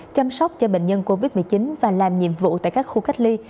chăm sóc cho bệnh nhân covid một mươi chín và làm nhiệm vụ tại các khu cách ly